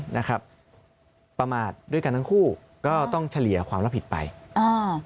นะครับประมาทด้วยกันทั้งคู่ก็ต้องเฉลี่ยความรับผิดไปอ่า